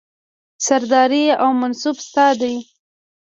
سرداري او منصب ستا دی